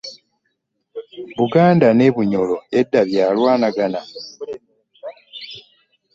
Buganda ne Bunyoro edda byalwanagana .